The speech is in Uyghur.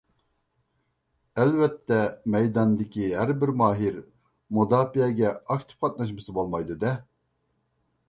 ئەلۋەتتە مەيداندىكى ھەر بىر ماھىر مۇداپىئەگە ئاكتىپ قاتناشمىسا بولمايدۇ-دە.